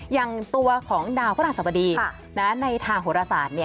อย่างตัวของดาวพระราชสบดีในทางโหรศาสตร์